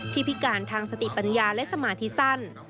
พิการทางสติปัญญาและสมาธิสั้น